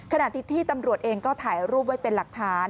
ขณะที่ที่ตำรวจเองก็ถ่ายรูปไว้เป็นหลักฐาน